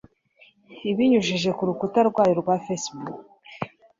Ibinyujije ku rukuta rwayo rwa Facebook,